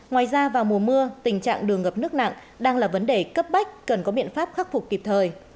ngoài ra vào mùa mưa tình trạng đường ngập nước nặng đang là vấn đề cấp bách cần có biện pháp khắc phục kịp thời